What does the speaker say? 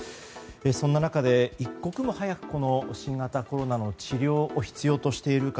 そんな中で一刻も早くこの新型コロナの治療を必要としている方。